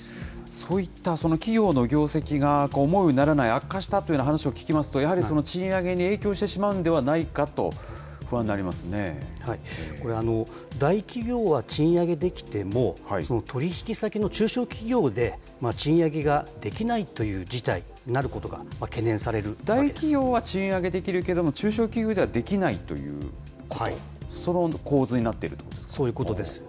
そういった企業の業績が思うようにならない、悪化したという話を聞きますと、やはりその賃上げに影響してしまうのではないかこれ、大企業は賃上げできても、取り引き先の中小企業で賃上げができないという事態になるこ大企業は賃上げできるけれども、中小企業ではできないということ、その構図になっているといそういうことです。